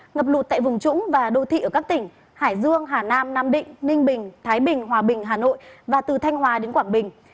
ngập lụt tại vùng trũng và đô thị ở các tỉnh hải dương hà nam nam định ninh bình thái bình hòa bình hà nội và từ thanh hòa đến quảng bình